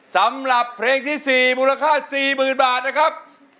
สำหรับเพลงที่๔มูลค่า๔๐๐๐บาทนะครับ